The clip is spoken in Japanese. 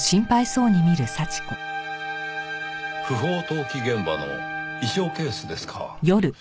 不法投棄現場の衣装ケースですか。